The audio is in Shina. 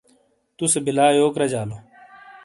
تُسے بِیلا یوک رَجالو؟